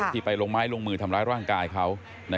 ไปลงไม้ลงมือทำร้ายร่างกายเขา